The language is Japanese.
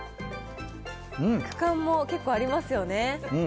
肉感も結構ありますよね。